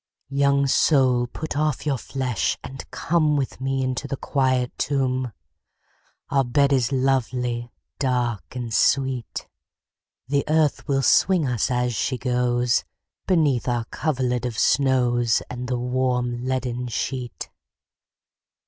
II. Young soul put off your flesh, and come With me into the quiet tomb, Our bed is lovely, dark, and sweet; The earth will swing us, as she goes, Beneath our coverlid of snows, And the warm leaden sheet.